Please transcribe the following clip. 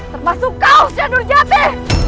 termasuk kau syedul jati